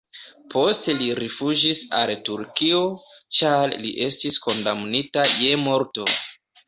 Poste li rifuĝis al Turkio, ĉar li estis kondamnita je morto.